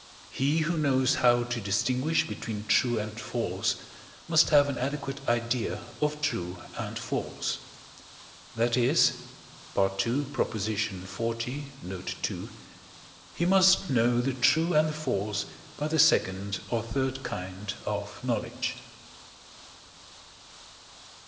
He, who knows how to distinguish between true and false, must have an adequate idea of true and false. That is (II. xl., note ii.), he must know the true and the false by the second or third kind of knowledge.